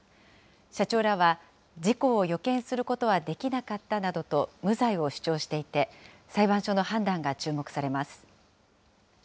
社長らは、事故を予見することはできなかったなどと無罪を主張していて、裁判所の判断が注目されます。